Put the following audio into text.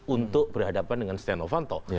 untuk berhadapan dengan steno vanto